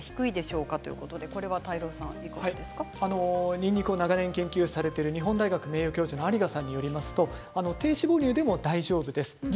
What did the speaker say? にんにくを長年研究されている日本大学名誉教授の有賀さんによりますと低脂肪乳でも大丈夫です。